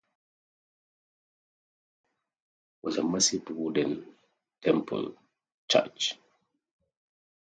The second church was a massive wooden "temple" church.